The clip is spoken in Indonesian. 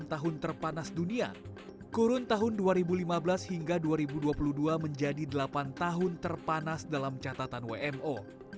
turun tahun dua ribu lima belas hingga dua ribu dua puluh dua menjadi delapan tahun terpanas dalam catatan wmo